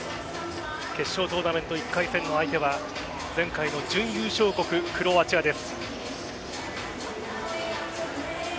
決勝トーナメント１回戦の相手は前回の準優勝国・クロアチアです。